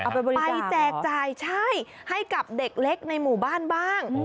ไปแจกจ่ายใช่ให้กับเด็กเล็กในหมู่บ้านบ้าง